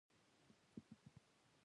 تله دې په ځائے، لا دې راتله پاتې دي